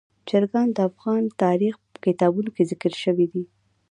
چرګان د افغان تاریخ په کتابونو کې ذکر شوي دي.